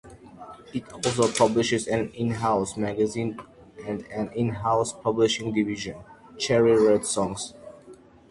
It also publishes an in-house magazine and an 'in-house' publishing division, 'Cherry Red Songs'.